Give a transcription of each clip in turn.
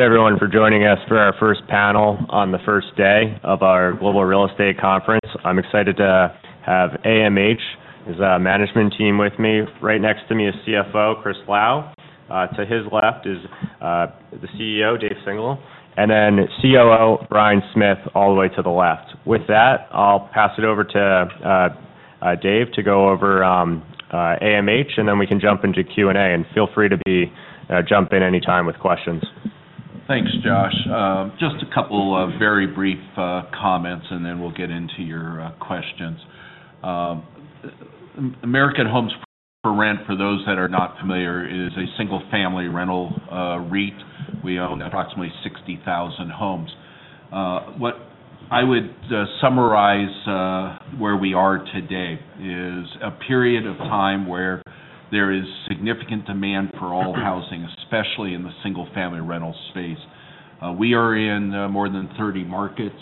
Everyone for joining us for our first panel on the first day of our Global Real Estate Conference. I'm excited to have AMH's management team with me. Right next to me is CFO Chris Lau. To his left is the CEO, Dave Singelyn, and then COO, Bryan Smith, all the way to the left. With that, I'll pass it over to Dave to go over AMH, and then we can jump into Q&A. Feel free to jump in any time with questions. Thanks, Josh. Just a couple of very brief comments, and then we'll get into your questions. American Homes 4 Rent, for those that are not familiar, is a single-family rental REIT. We own approximately 60,000 homes. What I would summarize where we are today is a period of time where there is significant demand for all housing, especially in the single-family rental space. We are in more than 30 markets.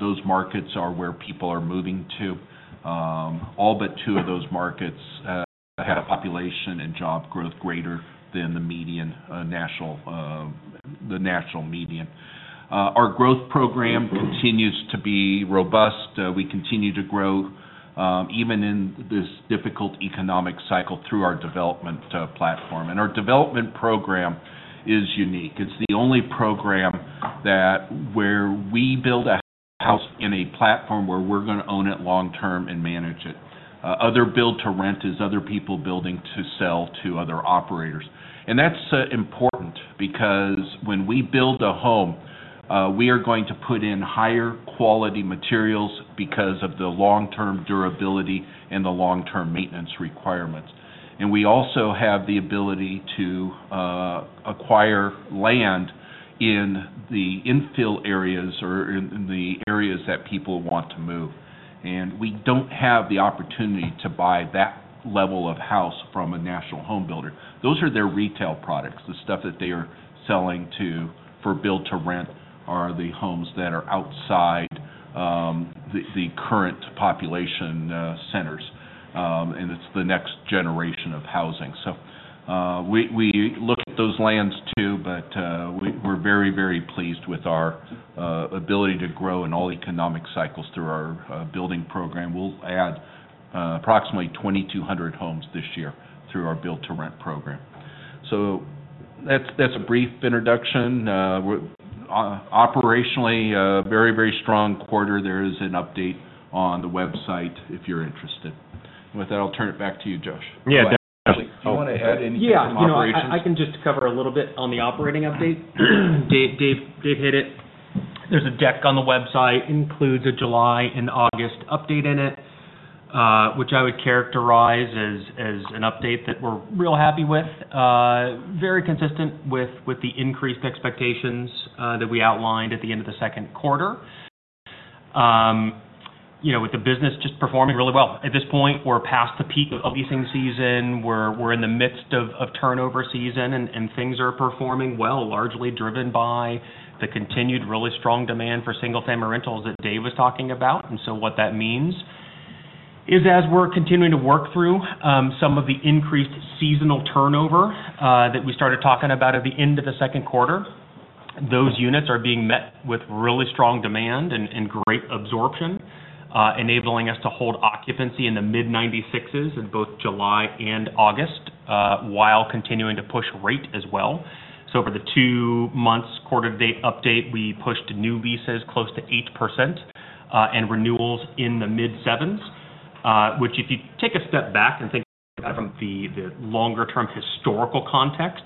Those markets are where people are moving to. All but two of those markets have a population and job growth greater than the national median. Our growth program continues to be robust. We continue to grow even in this difficult economic cycle through our development platform. And our development program is unique. It's the only program that where we build a house in a platform where we're gonna own it long term and manage it. Other build to rent is other people building to sell to other operators. And that's important because when we build a home, we are going to put in higher quality materials because of the long-term durability and the long-term maintenance requirements. And we also have the ability to acquire land in the infill areas or in the areas that people want to move. And we don't have the opportunity to buy that level of house from a national home builder. Those are their retail products. The stuff that they are selling to for build to rent are the homes that are outside the current population centers, and it's the next generation of housing. So, we look at those lands too, but, we're very pleased with our ability to grow in all economic cycles through our building program. We'll add approximately 2,200 homes this year through our Build-to-Rent program. So that's a brief introduction. Operationally, a very strong quarter. There is an update on the website if you're interested. With that, I'll turn it back to you, Josh. Yeah, definitely. Do you want to add anything from operations? Yeah. You know, I can just cover a little bit on the operating update. Dave hit it. There's a deck on the website, includes a July and August update in it, which I would characterize as an update that we're real happy with. Very consistent with the increased expectations that we outlined at the end of the second quarter. You know, with the business just performing really well. At this point, we're past the peak of leasing season. We're in the midst of turnover season, and things are performing well, largely driven by the continued really strong demand for single-family rentals that Dave was talking about. And so what that means is, as we're continuing to work through some of the increased seasonal turnover that we started talking about at the end of the second quarter, those units are being met with really strong demand and great absorption, enabling us to hold occupancy in the mid-96s in both July and August while continuing to push rate as well. So for the 2 months quarter date update, we pushed new leases close to 8%, and renewals in the mid-7s. Which if you take a step back and think about from the longer-term historical context,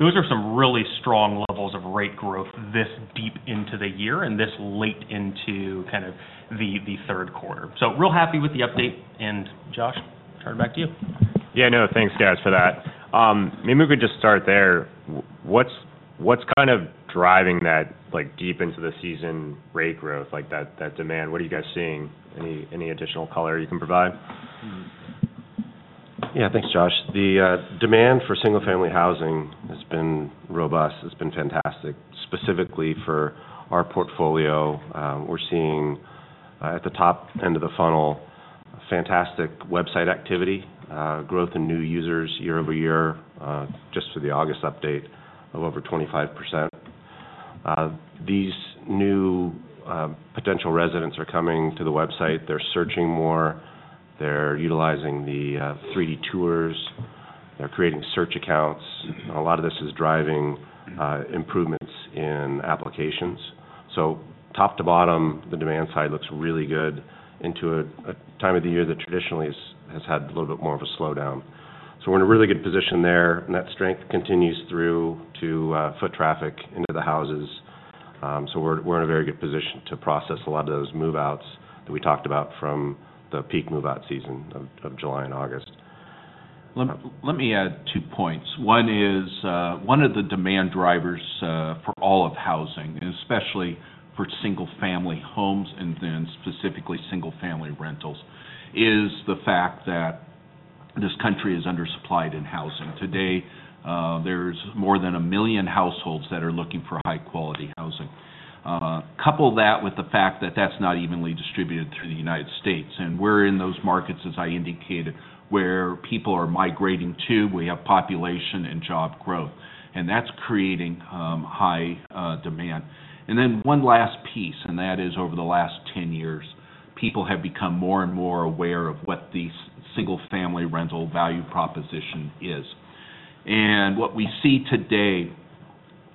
those are some really strong levels of rate growth this deep into the year and this late into kind of the third quarter. So real happy with the update, and Josh, turn it back to you. Yeah, no, thanks, guys, for that. Maybe we could just start there. What's kind of driving that, like, deep into the season rate growth, like that, that demand? What are you guys seeing? Any additional color you can provide? Yeah. Thanks, Josh. The demand for single-family housing has been robust. It's been fantastic. Specifically for our portfolio, we're seeing at the top end of the funnel, fantastic website activity, growth in new users year over year, just for the August update of over 25%. These new potential residents are coming to the website. They're searching more, they're utilizing the 3D tours, they're creating search accounts. A lot of this is driving improvements in applications. So top to bottom, the demand side looks really good into a time of the year that traditionally has had a little bit more of a slowdown. So we're in a really good position there, and that strength continues through to foot traffic into the houses. So we're in a very good position to process a lot of those move-outs that we talked about from the peak move-out season of July and August. Let me, let me add two points. One is, one of the demand drivers, for all of housing, especially for single-family homes and then specifically single-family rentals, is the fact that this country is undersupplied in housing. Today, there's more than a million households that are looking for high-quality housing. Couple that with the fact that that's not evenly distributed through the United States, and we're in those markets, as I indicated, where people are migrating to. We have population and job growth, and that's creating high demand. And then one last piece, and that is, over the last 10 years, people have become more and more aware of what the single-family rental value proposition is. What we see today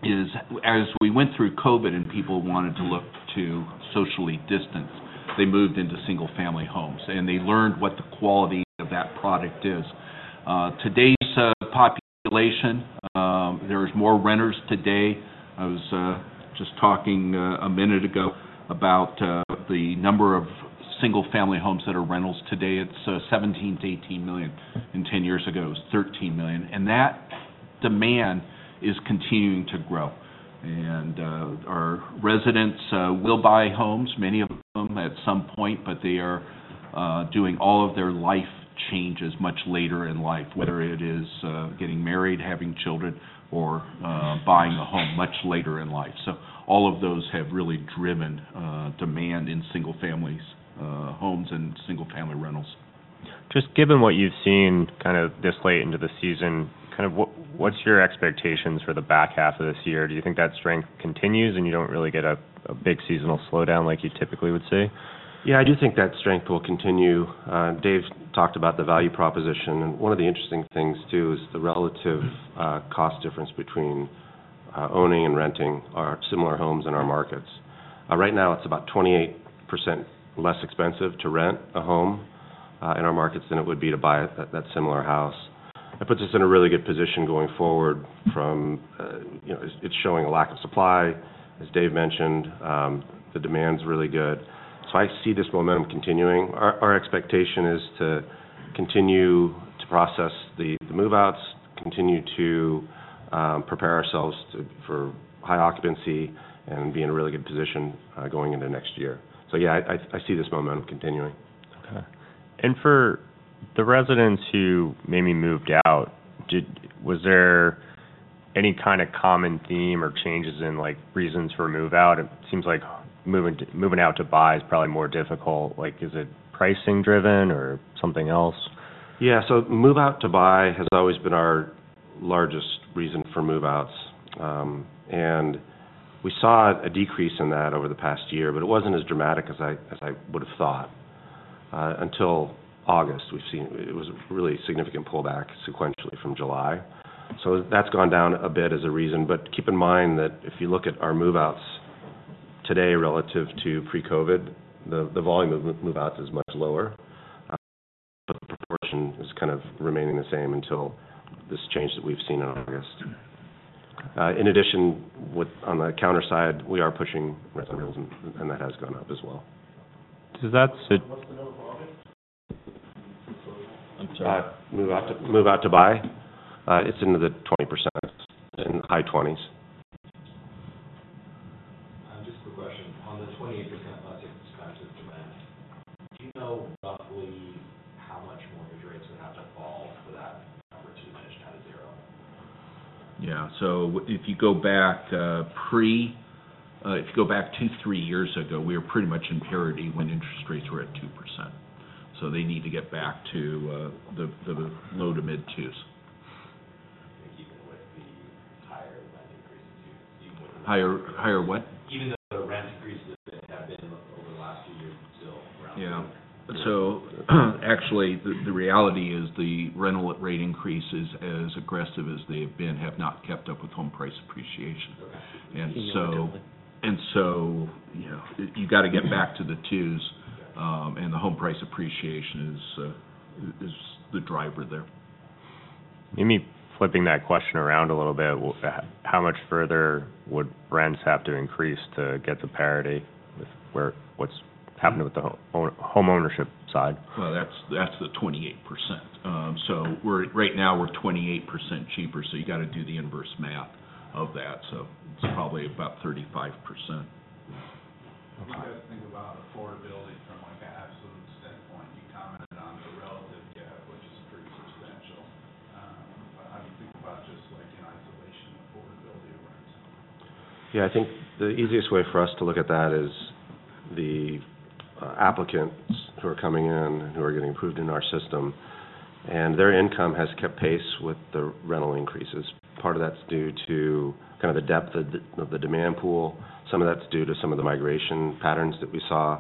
is, as we went through COVID and people wanted to look to socially distance, they moved into single-family homes, and they learned what the quality of that product is. Today's population, there's more renters today. I was just talking a minute ago about the number of single-family homes that are rentals today. It's $17-$18 million, and 10 years ago, it was $13 million, and that demand is continuing to grow. Our residents will buy homes, many of them at some point, but they are doing all of their life changes much later in life, whether it is getting married, having children, or buying a home much later in life. So all of those have really driven demand in single-family homes and single-family rentals. Just given what you've seen kind of this late into the season, kind of what's your expectations for the back half of this year? Do you think that strength continues, and you don't really get a big seasonal slowdown like you typically would see? Yeah, I do think that strength will continue. Dave talked about the value proposition, and one of the interesting things, too, is the relative cost difference between owning and renting our similar homes in our markets. Right now, it's about 28% less expensive to rent a home in our markets than it would be to buy it, that similar house. It puts us in a really good position going forward from... You know, it's showing a lack of supply. As Dave mentioned, the demand's really good, so I see this momentum continuing. Our expectation is to continue to process the move-outs, continue to prepare ourselves for high occupancy and be in a really good position going into next year. So, yeah, I see this momentum continuing. Okay. And for the residents who maybe moved out, was there any kind of common theme or changes in, like, reasons for a move out? It seems like moving out to buy is probably more difficult. Like, is it pricing driven or something else? Yeah, so move-out to buy has always been our largest reason for move-outs. And we saw a decrease in that over the past year, but it wasn't as dramatic as I would've thought. Until August, we've seen. It was a really significant pullback sequentially from July. So that's gone down a bit as a reason, but keep in mind that if you look at our move-outs today relative to pre-COVID, the volume of move-outs is much lower. The proportion is kind of remaining the same until this change that we've seen in August. In addition, with on the counter side, we are pushing rentals, and that has gone up as well. So that's- What's the move out of August? Move out to buy? It's into the 20%, in high 20s. Just a question. On the 28% less expensive to rent, do you know roughly how much mortgage rates would have to fall for that number to finish at zero? Yeah. So if you go back two to three years ago, we were pretty much in parity when interest rates were at 2%. So they need to get back to the low- to mid-2s. Even with the higher rent increases to- Higher, higher what? Even though the rent increases have been over the last few years until around- Yeah. So, actually, the reality is the rental rate increases, as aggressive as they have been, have not kept up with home price appreciation. Correct. And so. Do you know the. You know, you've got to get back to the twos. And the home price appreciation is the driver there. Maybe flipping that question around a little bit, well, how much further would rents have to increase to get to parity with where... what's happening with the homeowner-homeownership side? Well, that's, that's the 28%. So we're right now, we're 28% cheaper, so you got to do the inverse math of that. So it's probably about 35%. Okay. What do you guys think about affordability from, like, an absolute standpoint? You commented on the relative gap, which is pretty substantial. But how do you think about just, like, in isolation, affordability of rents? Yeah, I think the easiest way for us to look at that is the applicants who are coming in and who are getting approved in our system, and their income has kept pace with the rental increases. Part of that's due to kind of the depth of the demand pool. Some of that's due to some of the migration patterns that we saw.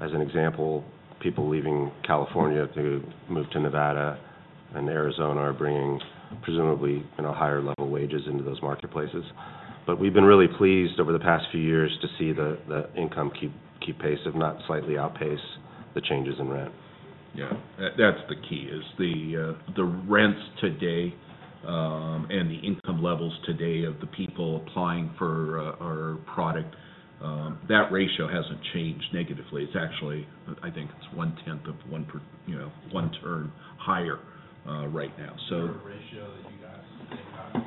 As an example, people leaving California to move to Nevada and Arizona are bringing presumably, you know, higher level wages into those marketplaces. But we've been really pleased over the past few years to see the income keep pace, if not slightly outpace the changes in rent. Yeah. That's the key, the rents today and the income levels today of the people applying for our product, that ratio hasn't changed negatively. It's actually, I think it's 0.1 of 1 per... You know, 1 turn higher right now, so- What ratio do you guys take out?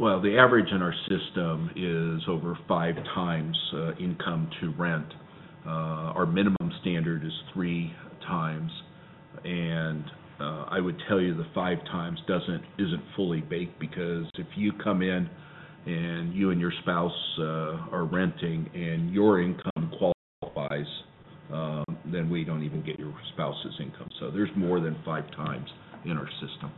Well, the average in our system is over five times income to rent. Our minimum standard is three times. I would tell you the five times isn't fully baked, because if you come in, and you and your spouse are renting, and your income qualifies, then we don't even get your spouse's income. So there's more than five times in our system.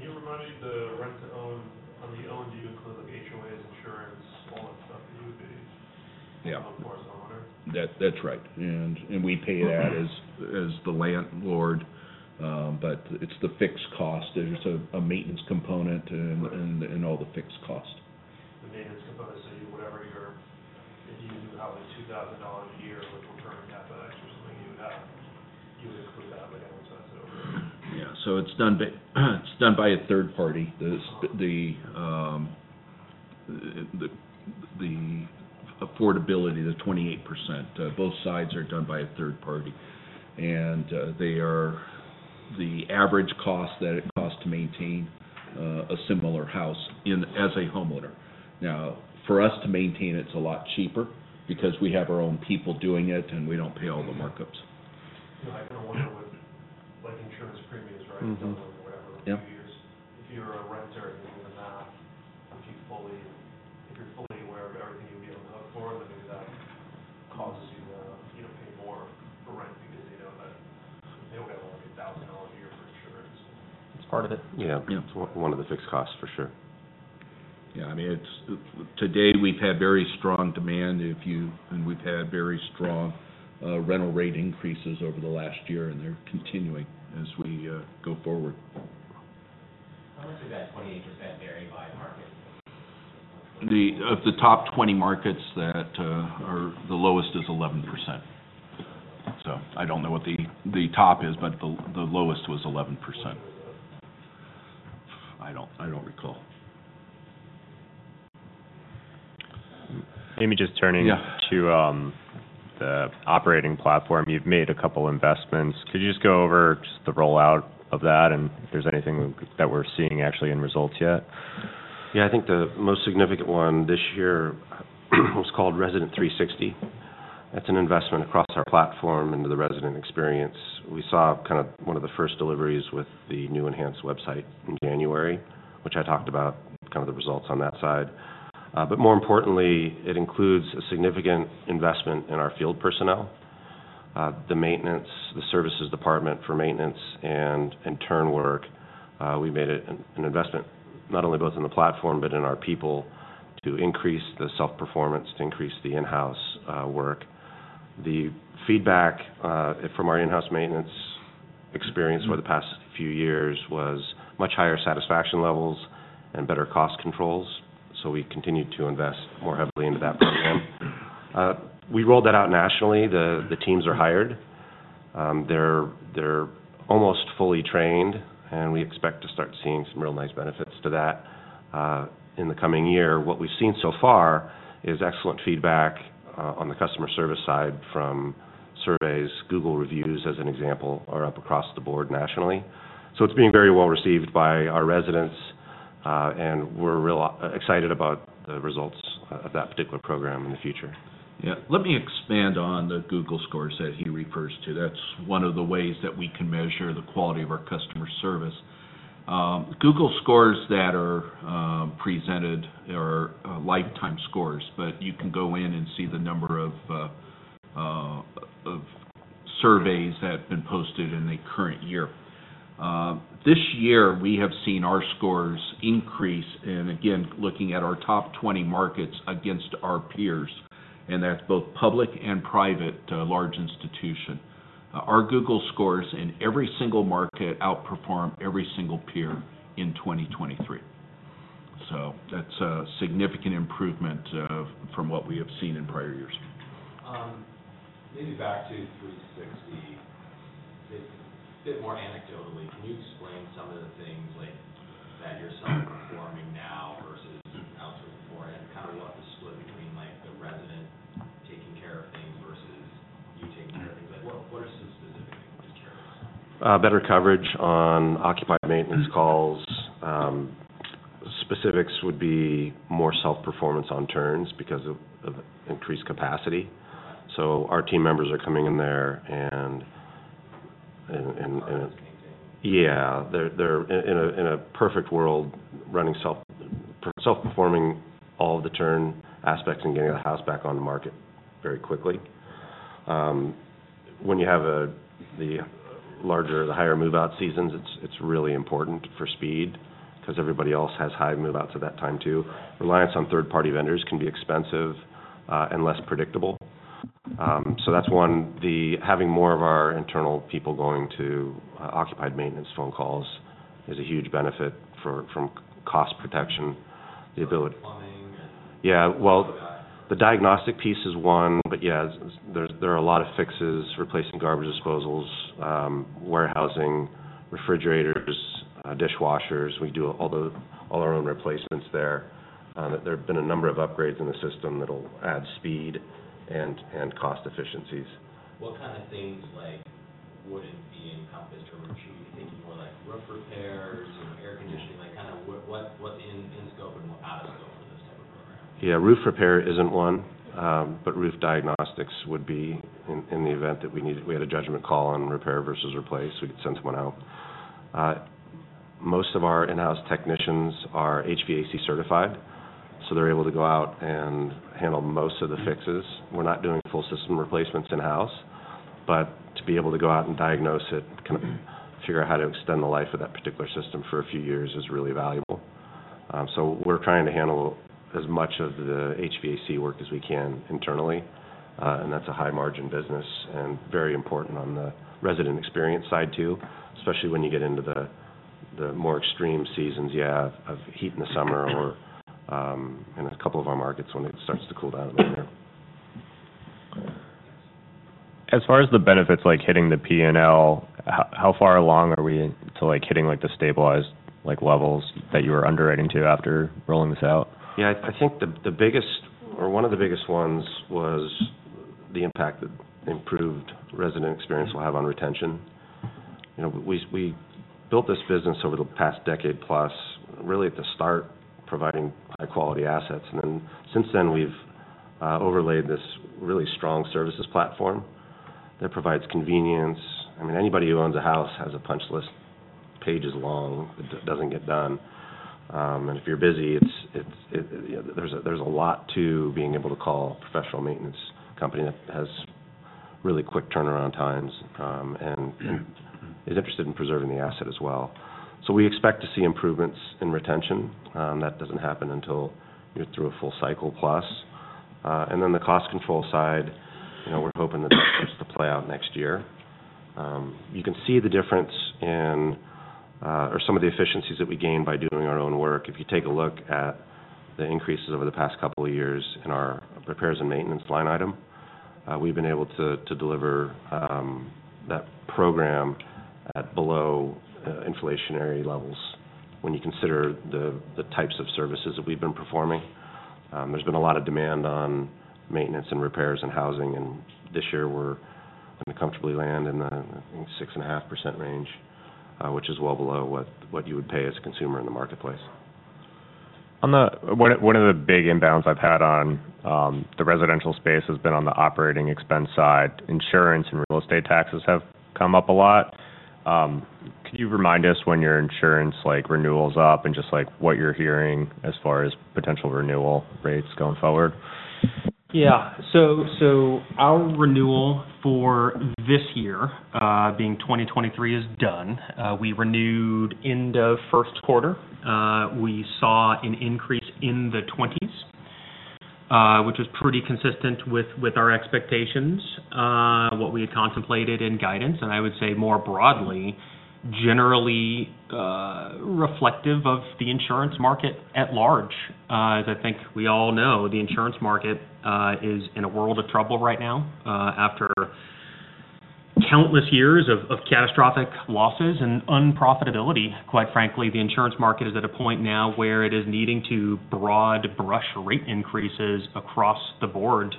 Can you remind me the rent-to-own, on the owned unit, with HOAs insurance, all that stuff, you would be- Yeah. Of course, the owner? That, that's right. And we pay that- Okay As the landlord, but it's the fixed cost. There's a maintenance component and, and all the fixed cost. The maintenance component, so if you have a $2,000 a year with recurring CapEx or something, you would have, you would include that within what's offered? Yeah. So it's done by, it's done by a third party. The affordability, the 28%, both sides are done by a third party. And they are the average cost that it costs to maintain a similar house as a homeowner. Now, for us to maintain, it's a lot cheaper because we have our own people doing it, and we don't pay all the markups. So I kind of wonder- Yeah With, like, insurance premiums, right? Mm-hmm. Don't know, whatever- Yeah Years. If you're a renter and into the math, if you're fully aware of everything you'd be on the hook for, then does that cause you to, you know, pay more for rent because, you know, but they only have, like, $1,000 a year for insurance? It's part of it. Yeah. Yeah. It's one of the fixed costs, for sure. Yeah, I mean, it's... Today, we've had very strong demand, if you-- and we've had very strong, rental rate increases over the last year, and they're continuing as we, go forward. How much of that 28% vary by market? Of the top 20 markets that are, the lowest is 11%. So I don't know what the top is, but the lowest was 11%. What was it? I don't recall. And maybe, just turning- Yeah To the operating platform, you've made a couple investments. Could you just go over just the rollout of that, and if there's anything that we're seeing actually in results yet? Yeah, I think the most significant one this year was called Resident360. That's an investment across our platform into the resident experience. We saw kind of one of the first deliveries with the new enhanced website in January, which I talked about, kind of the results on that side. But more importantly, it includes a significant investment in our field personnel, the maintenance, the services department for maintenance, and in turn work. We made it an investment, not only both in the platform, but in our people to increase the self-performance, to increase the in-house work. The feedback from our in-house maintenance experience, over the past few years was much higher satisfaction levels and better cost controls, so we continued to invest more heavily into that program. We rolled that out nationally. The teams are hired. They're almost fully trained, and we expect to start seeing some real nice benefits to that in the coming year. What we've seen so far is excellent feedback on the customer service side from surveys. Google Reviews, as an example, are up across the board nationally. So it's being very well received by our residents, and we're real excited about the results of that particular program in the future. Yeah. Let me expand on the Google scores that he refers to. That's one of the ways that we can measure the quality of our customer service. Google scores that are presented are lifetime scores, but you can go in and see the number of surveys that have been posted in the current year. This year, we have seen our scores increase, and again, looking at our top 20 markets against our peers, and that's both public and private large institution. Our Google scores in every single market outperformed every single peer in 2023. So that's a significant improvement from what we have seen in prior years. Maybe back to 360, a bit more anecdotally, can you explain some of the things like that you're self-performing now versus outsourcing before, and kind of what the split between, like, the resident taking care of things versus you taking care of things? Like, what are some specific things you carry? Better coverage on occupied maintenance calls. Specifics would be more self-performance on turns because of increased capacity. So our team members are coming in there, and Yeah. They're in a perfect world, running self-performing all of the turn aspects and getting the house back on the market very quickly. When you have the larger, the higher move-out seasons, it's really important for speed because everybody else has high move-outs at that time, too. Reliance on third-party vendors can be expensive and less predictable. So that's one, the having more of our internal people going to occupied maintenance phone calls is a huge benefit for, from cost protection, the ability- Funding and- Yeah, well- All of that. The diagnostic piece is one, but yeah, there's, there are a lot of fixes, replacing garbage disposals, washing, refrigerators, dishwashers. We do all our own replacements there. There have been a number of upgrades in the system that'll add speed and cost efficiencies. What kind of things like wouldn't be incumbent- roof repairs or air conditioning, like kind of what in scope and what out of scope for this type of program? Yeah, roof repair isn't one, but roof diagnostics would be in the event that we had a judgment call on repair versus replace. We could send someone out. Most of our in-house technicians are HVAC certified, so they're able to go out and handle most of the fixes. We're not doing full system replacements in-house, but to be able to go out and diagnose it, kind of figure out how to extend the life of that particular system for a few years, is really valuable. So we're trying to handle as much of the HVAC work as we can internally, and that's a high-margin business and very important on the resident experience side, too. Especially when you get into the more extreme seasons, yeah, of heat in the summer or in a couple of our markets when it starts to cool down in the winter. As far as the benefits, like hitting the P&L, how, how far along are we to, like, hitting, like, the stabilized, like, levels that you were underwriting to after rolling this out? Yeah, I think the biggest or one of the biggest ones was the impact that improved resident experience will have on retention. You know, we built this business over the past decade plus, really at the start, providing high-quality assets. And then, since then, we've overlaid this really strong services platform that provides convenience. I mean, anybody who owns a house has a punch list, pages long, that doesn't get done. And if you're busy, there's a lot to being able to call a professional maintenance company that has really quick turnaround times and is interested in preserving the asset as well. So we expect to see improvements in retention that doesn't happen until you're through a full cycle plus. And then the cost control side, you know, we're hoping that starts to play out next year. You can see the difference in or some of the efficiencies that we gain by doing our own work. If you take a look at the increases over the past couple of years in our repairs and maintenance line item, we've been able to to deliver that program at below inflationary levels. When you consider the the types of services that we've been performing, there's been a lot of demand on maintenance and repairs and housing, and this year we're gonna comfortably land in the, I think, 6.5% range, which is well below what what you would pay as a consumer in the marketplace. One of the big inbounds I've had on the residential space has been on the operating expense side. Insurance and real estate taxes have come up a lot. Could you remind us when your insurance, like, renewals up, and just, like, what you're hearing as far as potential renewal rates going forward? Yeah. So, so our renewal for this year, being 2023, is done. We renewed in the first quarter. We saw an increase in the 20s, which was pretty consistent with, with our expectations, what we had contemplated in guidance, and I would say more broadly, generally, reflective of the insurance market at large. As I think we all know, the insurance market is in a world of trouble right now, after countless years of, of catastrophic losses and unprofitability. Quite frankly, the insurance market is at a point now where it is needing to broad-brush rate increases across the board,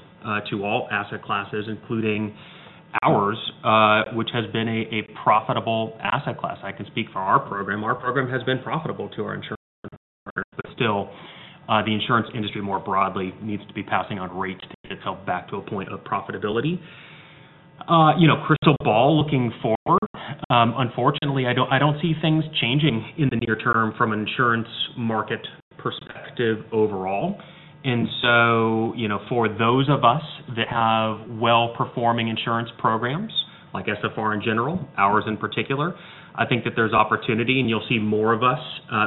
to all asset classes, including ours, which has been a, a profitable asset class. I can speak for our program. Our program has been profitable to our insurers, but still, the insurance industry, more broadly, needs to be passing on rates to get itself back to a point of profitability. You know, crystal ball looking forward, unfortunately, I don't, I don't see things changing in the near term from an insurance market perspective overall. And so, you know, for those of us that have well-performing insurance programs, like SFR in general, ours in particular, I think that there's opportunity, and you'll see more of us,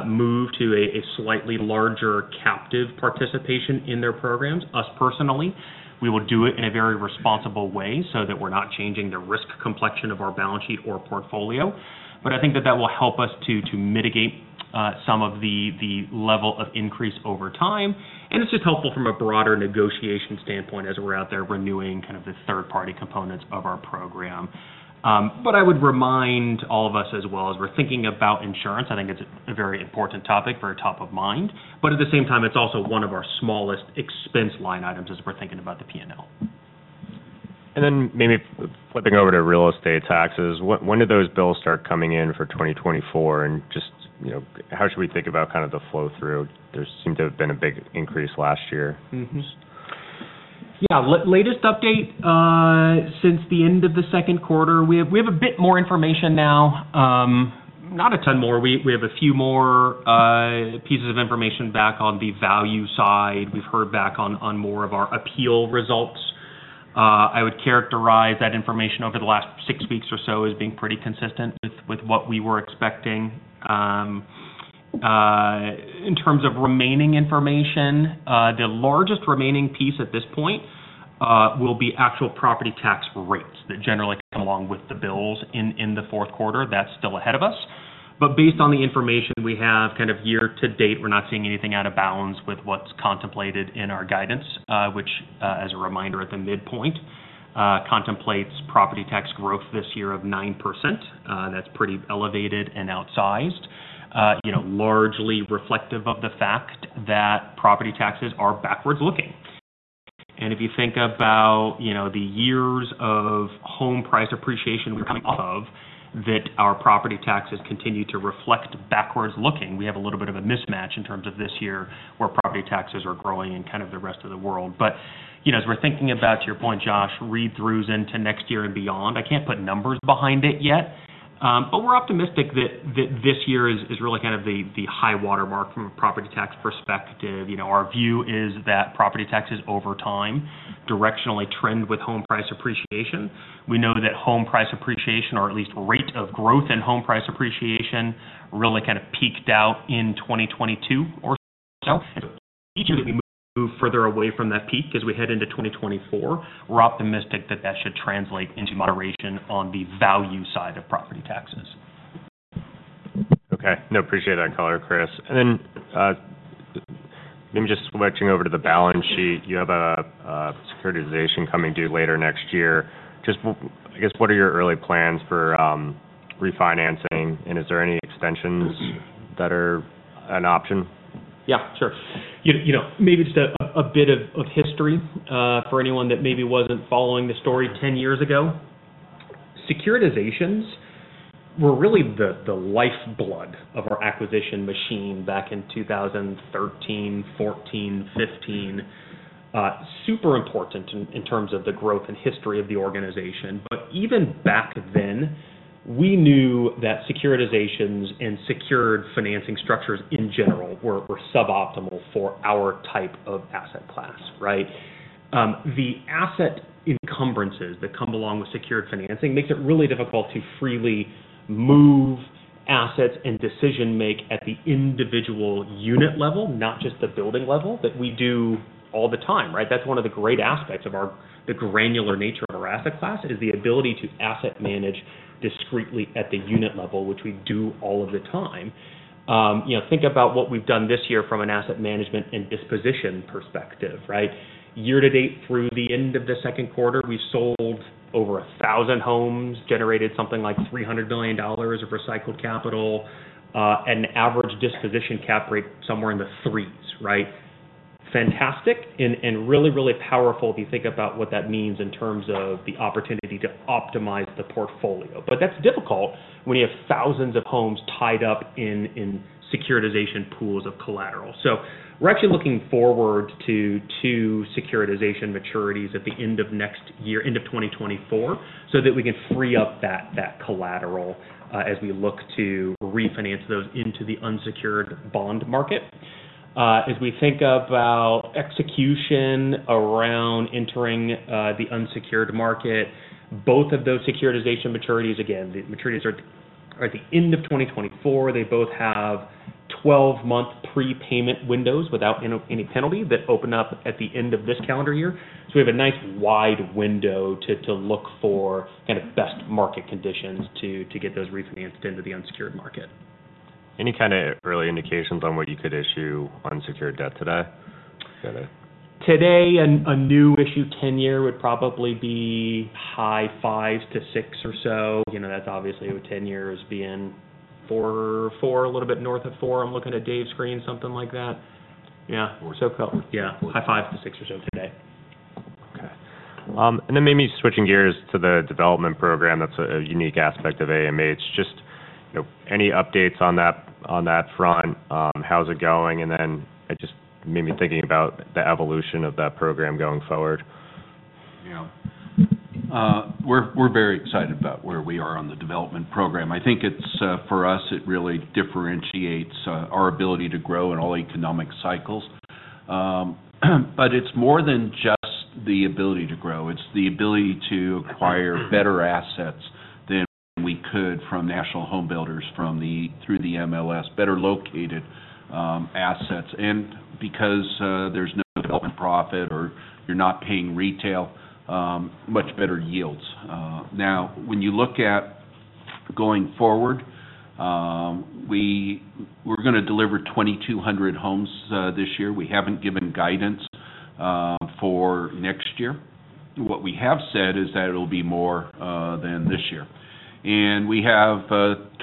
move to a slightly larger captive participation in their programs. Us, personally, we will do it in a very responsible way so that we're not changing the risk complexion of our balance sheet or portfolio. But I think that that will help us to, to mitigate, some of the, the level of increase over time, and it's just helpful from a broader negotiation standpoint as we're out there renewing kind of the third-party components of our program. But I would remind all of us as well, as we're thinking about insurance, I think it's a very important topic for a top of mind, but at the same time, it's also one of our smallest expense line items as we're thinking about the P&L. Then maybe flipping over to real estate taxes. When, when do those bills start coming in for 2024? And just, you know, how should we think about kind of the flow-through? There seemed to have been a big increase last year. Yeah, latest update since the end of the second quarter, we have a bit more information now, not a ton more. We have a few more pieces of information back on the value side. We've heard back on more of our appeal results. I would characterize that information over the last six weeks or so as being pretty consistent with what we were expecting. In terms of remaining information, the largest remaining piece at this point will be actual property tax rates that generally come along with the bills in the fourth quarter. That's still ahead of us, but based on the information we have, kind of year to date, we're not seeing anything out of balance with what's contemplated in our guidance. Which, as a reminder, at the midpoint, contemplates property tax growth this year of 9%. That's pretty elevated and outsized. You know, largely reflective of the fact that property taxes are backwards looking. If you think about, you know, the years of home price appreciation we're coming out of, that our property taxes continue to reflect backwards looking. We have a little bit of a mismatch in terms of this year, where property taxes are growing and kind of the rest of the world. But, you know, as we're thinking about, to your point, Josh, read-throughs into next year and beyond, I can't put numbers behind it yet. But we're optimistic that, that this year is, is really kind of the, the high watermark from a property tax perspective. You know, our view is that property taxes over time, directionally trend with home price appreciation. We know that home price appreciation, or at least rate of growth and home price appreciation, really kind of peaked out in 2022 or so. As we move further away from that peak as we head into 2024, we're optimistic that that should translate into moderation on the value side of property taxes. Okay. No, appreciate that color, Chris. And then, maybe just switching over to the balance sheet. You have a securitization coming due later next year. Just, I guess, what are your early plans for refinancing, and is there any extensions that are an option? Yeah, sure. You know, maybe just a bit of history for anyone that maybe wasn't following the story ten years ago. Securitizations were really the lifeblood of our acquisition machine back in 2013, 2014, 2015. Super important in terms of the growth and history of the organization. But even back then, we knew that securitizations and secured financing structures in general were suboptimal for our type of asset class, right? The asset encumbrances that come along with secured financing makes it really difficult to freely move assets and decision-make at the individual unit level, not just the building level, that we do all the time, right? That's one of the great aspects of our, the granular nature of our asset class, is the ability to asset manage discretely at the unit level, which we do all of the time. You know, think about what we've done this year from an asset management and disposition perspective, right? Year to date, through the end of the second quarter, we've sold over 1,000 homes, generated something like $300 billion of recycled capital, an average disposition cap rate somewhere in the 3s, right? Fantastic, and, and really, really powerful if you think about what that means in terms of the opportunity to optimize the portfolio. But that's difficult when you have thousands of homes tied up in, in securitization pools of collateral. So we're actually looking forward to 2 securitization maturities at the end of next year, end of 2024, so that we can free up that, that collateral, as we look to refinance those into the unsecured bond market. As we think about execution around entering the unsecured market, both of those securitization maturities, again, the maturities are at the end of 2024. They both have 12-month prepayment windows without any penalty that open up at the end of this calendar year. So we have a nice, wide window to look for kind of best market conditions to get those refinanced into the unsecured market. Any kind of early indications on what you could issue unsecured debt today? Today, a new issue, 10-year would probably be high fives to six or so. You know, that's obviously with 10 years being 4.4, a little bit north of 4. I'm looking at Dave's screen, something like that. Yeah. So, yeah, high five to six or so today. Okay. And then maybe switching gears to the development program, that's a unique aspect of AMH. Just, you know, any updates on that, on that front? How's it going? And then just maybe thinking about the evolution of that program going forward. Yeah. We're very excited about where we are on the development program. I think it's for us, it really differentiates our ability to grow in all economic cycles. But it's more than just the ability to grow. It's the ability to acquire better assets than we could from national home builders, through the MLS, better located assets. And because there's no development profit or you're not paying retail, much better yields. Now, when you look at going forward, we're gonna deliver 2,200 homes this year. We haven't given guidance for next year. What we have said is that it'll be more than this year. And we have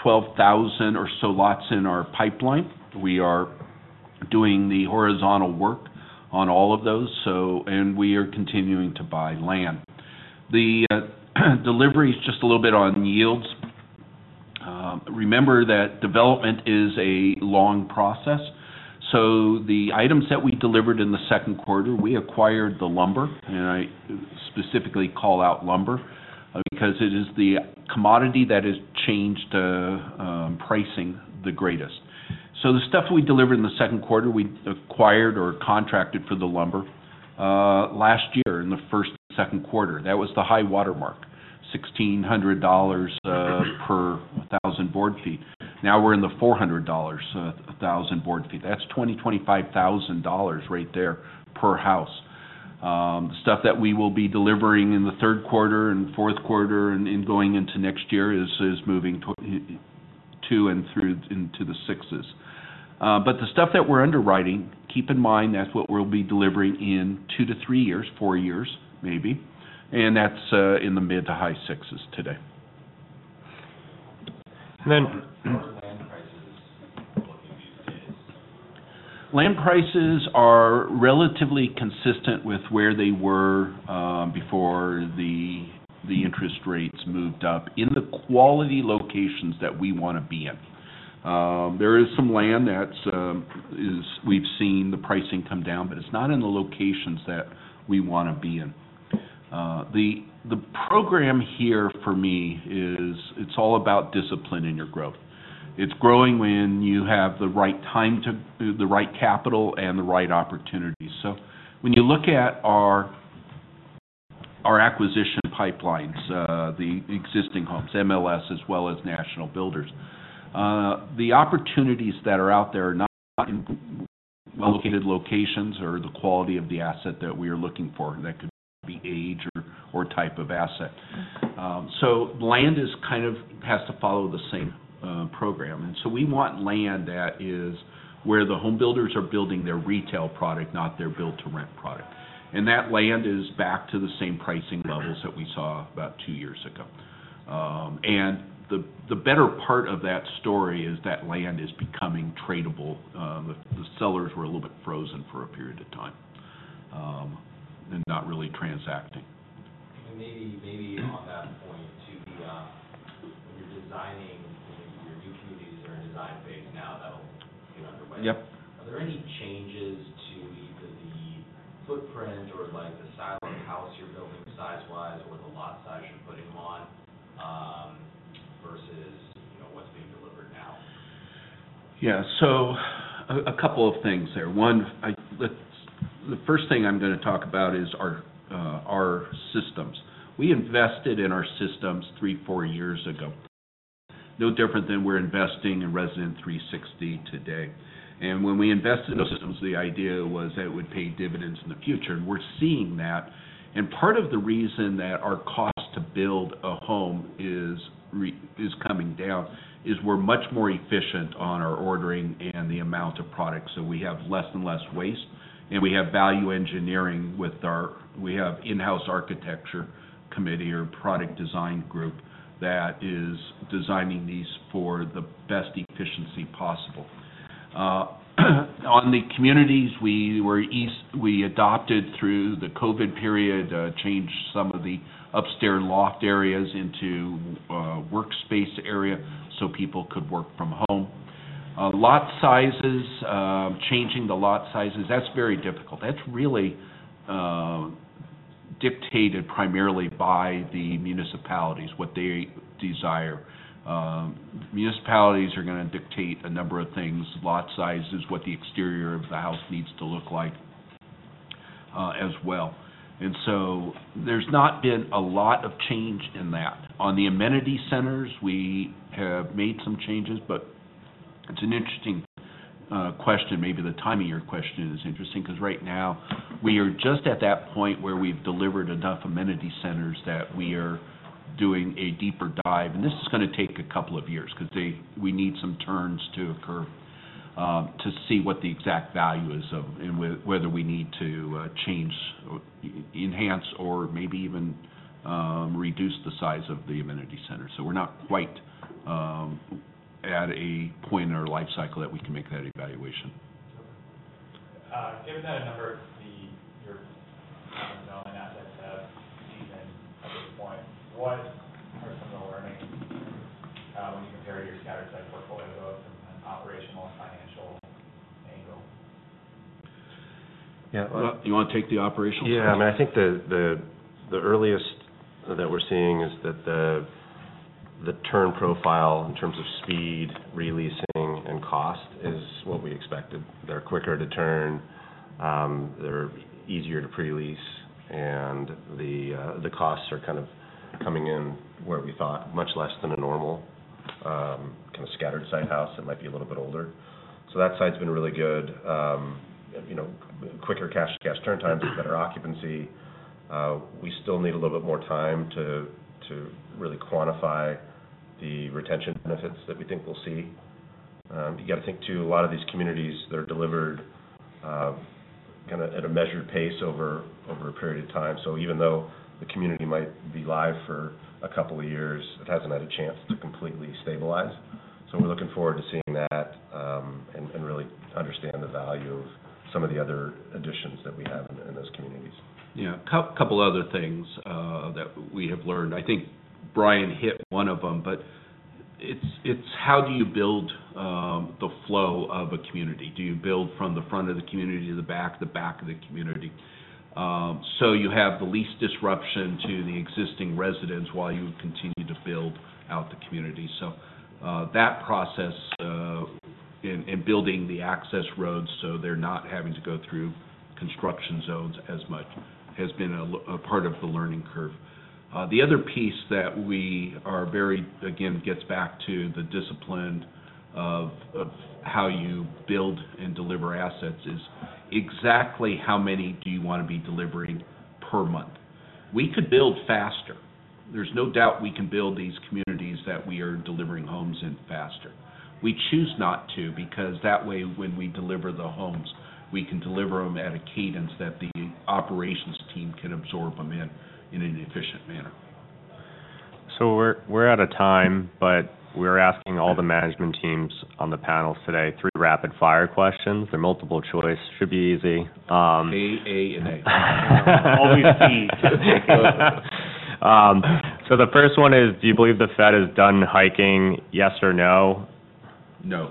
12,000 or so lots in our pipeline. We are doing the horizontal work on all of those, so and we are continuing to buy land. The delivery is just a little bit on yields. Remember that development is a long process, so the items that we delivered in the second quarter, we acquired the lumber, and I specifically call out lumber, because it is the commodity that has changed pricing the greatest. So the stuff we delivered in the second quarter, we acquired or contracted for the lumber, last year, in the first and second quarter. That was the high watermark, $1,600 per 1,000 board feet. Now we're in the $400 a 1,000 board feet. That's $20,000-$25,000 right there per house. Stuff that we will be delivering in the third quarter and fourth quarter, and in going into next year, is moving to and through into the 6s. But the stuff that we're underwriting, keep in mind, that's what we'll be delivering in two to three years, four years, maybe, and that's in the mid- to high 6s today. And then- Land prices are relatively consistent with where they were before the interest rates moved up in the quality locations that we wanna be in. There is some land that we've seen the pricing come down, but it's not in the locations that we wanna be in. The program here for me is, it's all about discipline in your growth. It's growing when you have the right capital, and the right opportunity. So when you look at our acquisition pipelines, the existing homes, MLS, as well as national builders, the opportunities that are out there are not in well located locations or the quality of the asset that we are looking for. That could be age or type of asset. So land is kind of has to follow the same program. And so we want land that is where the home builders are building their retail product, not their Build-to-Rent product. And that land is back to the same pricing levels that we saw about two years ago. And the better part of that story is that land is becoming tradable. The sellers were a little bit frozen for a period of time, and not really transacting. Maybe, maybe on that point, to the. When you're designing, when your new communities are in design phase now, that'll get underway. Yep. Are there any changes to either the footprint or, like, the style of house you're building size-wise, or the lot size you're putting them on, versus, you know, what's being delivered now? Yeah. So a couple of things there. One, the first thing I'm gonna talk about is our systems. We invested in our systems three to four years ago, no different than we're investing in Resident 360 today. And when we invested in the systems, the idea was that it would pay dividends in the future, and we're seeing that. And part of the reason that our cost to build a home is coming down is we're much more efficient on our ordering and the amount of product. So we have less and less waste, and we have value engineering with our in-house architecture committee or product design group that is designing these for the best efficiency possible. On the communities where we adopted through the COVID period, changed some of the upstairs loft areas into workspace area so people could work from home. Lot sizes, changing the lot sizes, that's very difficult. That's really dictated primarily by the municipalities, what they desire. Municipalities are gonna dictate a number of things, lot sizes, what the exterior of the house needs to look like, as well. And so there's not been a lot of change in that. On the amenity centers, we have made some changes, but it's an interesting question. Maybe the timing of your question is interesting, 'cause right now, we are just at that point where we've delivered enough amenity centers that we are doing a deeper dive. This is gonna take a couple of years, 'cause we need some turns to occur, to see what the exact value is of... and whether we need to change, enhance, or maybe even reduce the size of the amenity center. So we're not quite at a point in our life cycle that we can make that evaluation. Given that a number of your known assets have seasoned at this point, what are some of the learnings when you compare your scattered site portfolio from an operational and financial angle? Yeah. Well, do you wanna take the operational? Yeah. I mean, I think the earliest that we're seeing is that the turn profile in terms of speed, releasing, and cost is what we expected. They're quicker to turn. They're easier to pre-lease, and the costs are kind of coming in where we thought, much less than a normal kind of scattered site house that might be a little bit older. So that side's been really good. You know, quicker cash to cash turn times, better occupancy. We still need a little bit more time to really quantify the retention benefits that we think we'll see. You got to think, too, a lot of these communities. They're delivered kind of at a measured pace over a period of time. So even though the community might be live for a couple of years, it hasn't had a chance to completely stabilize. So we're looking forward to seeing that, and really understand the value of some of the other additions that we have in those communities. Yeah. Couple other things that we have learned. I think Bryan hit one of them, but it's how do you build the flow of a community? Do you build from the front of the community to the back, the back of the community? So you have the least disruption to the existing residents while you continue to build out the community. So that process, in building the access roads, so they're not having to go through construction zones as much, has been a part of the learning curve. The other piece that we are very, again, gets back to the discipline of how you build and deliver assets, is exactly how many do you want to be delivering per month? We could build faster. There's no doubt we can build these communities that we are delivering homes in faster. We choose not to, because that way, when we deliver the homes, we can deliver them at a cadence that the operations team can absorb them in an efficient manner. So we're out of time, but we're asking all the management teams on the panels today three rapid-fire questions. They're multiple choice, should be easy. A, A, and A. Always B. So the first one is: Do you believe the Fed is done hiking, yes or no? No.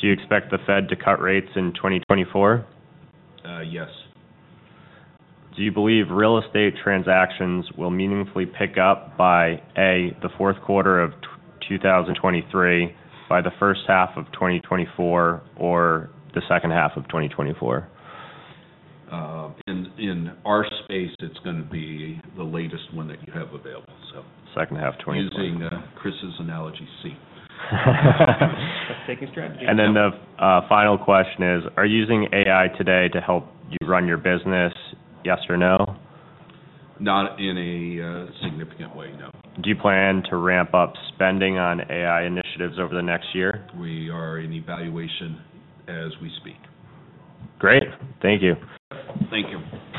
Do you expect the Fed to cut rates in 2024? Uh, yes. Do you believe real estate transactions will meaningfully pick up by, A, the fourth quarter of 2023, by the first half of 2024, or the second half of 2024? In our space, it's gonna be the latest one that you have available, so- Second half 2024. Using Chris's analogy, see. Let's take a strategy. And then the final question is: Are you using AI today to help you run your business, yes or no? Not in a significant way, no. Do you plan to ramp up spending on AI initiatives over the next year? We are in evaluation as we speak. Great. Thank you. Thank you.